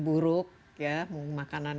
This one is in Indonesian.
buruk ya makanan